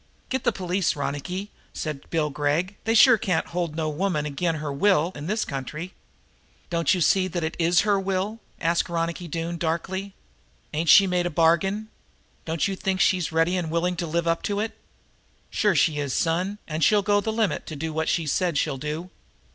"Get the police, Ronicky," said Bill Gregg. "They sure can't hold no woman agin' her will in this country." "Don't you see that it is her will?" asked Ronicky Doone darkly. "Ain't she made a bargain? Don't you think she's ready and willing to live up to it? She sure is, son, and she'll go the limit to do what she's said she'll do.